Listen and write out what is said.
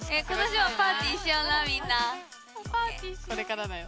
これからだよ。